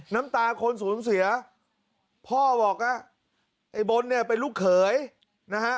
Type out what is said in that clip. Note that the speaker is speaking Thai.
น้ำตาคนสูญเสียพ่อบอกว่าไอ้บนเนี่ยเป็นลูกเขยนะฮะ